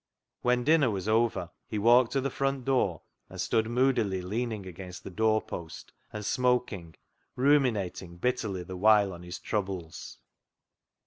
When dinner was over he walked to the front door, and stood moodily leaning against the doorpost, and smoking, ruminating bitterly the while on his troubles.